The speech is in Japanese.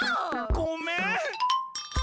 ごめん。